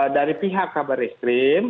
dari pihak kabar ekstrim